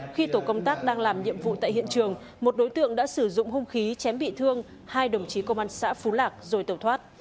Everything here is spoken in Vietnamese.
khi tổ công tác đang làm nhiệm vụ tại hiện trường một đối tượng đã sử dụng hung khí chém bị thương hai đồng chí công an xã phú lạc rồi tẩu thoát